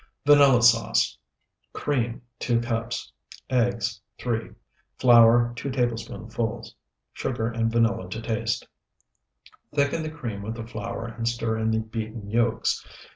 VANILLA SAUCE Cream, 2 cups. Eggs, 3. Flour, 2 tablespoonfuls. Sugar and vanilla to taste. Thicken the cream with the flour and stir in the beaten yolks.